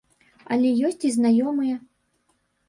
Але ёсць і знаёмыя.